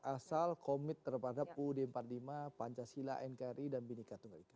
asal komit terhadap uud empat puluh lima pancasila nkri dan binika tunggal ika